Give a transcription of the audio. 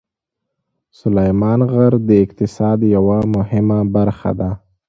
سلیمان غر د اقتصاد یوه مهمه برخه ده.